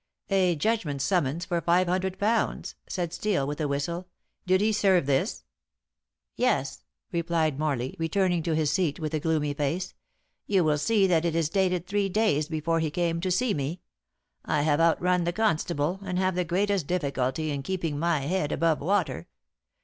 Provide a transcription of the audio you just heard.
"A judgment summons for five hundred pounds," said Steel, with a whistle. "Did he serve this?" "Yes," replied Morley, returning to his seat with a gloomy face. "You will see that it is dated three days before he came to me. I have outrun the constable, and have the greatest difficulty in keeping my head above water.